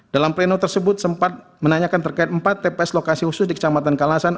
dalam pleno tersebut sempat menanyakan terkait empat tps lokasi khusus di kecamatan kalasan